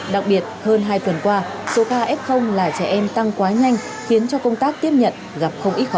đặc biệt hơn hai phần qua số ca f là trẻ em tăng quá nhanh